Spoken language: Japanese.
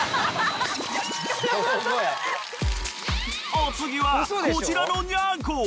お次はこちらのニャンコ。